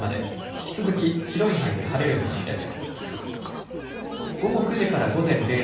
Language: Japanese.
引き続き広い範囲で晴れる見込みです。